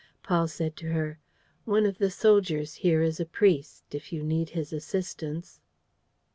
Paul said to her: "One of the soldiers here is a priest. If you need his assistance.